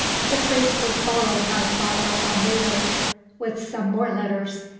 The priest was followed by Father Olmedo, with some more letters.